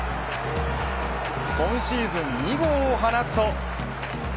今シーズン２号を放つと。